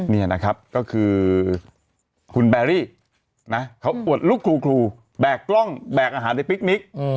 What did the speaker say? นี่นะครับก็คือคุณแบรี่นะเขาอวดลูกครูแบกกล้องแบกอาหารในปิ๊กนิก